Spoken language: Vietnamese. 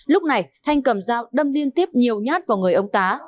lúc này thanh cầm dao đâm liên tiếp nhiều nhát vào người ông tá